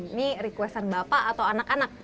ini request an bapak atau anak anak